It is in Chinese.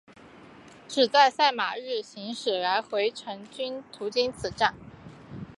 只在赛马日行驶来回程均途经此站。